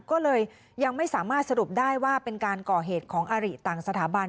ก็เลยยังไม่สามารถสรุปได้ว่าเป็นการก่อเหตุของอาริต่างสถาบัน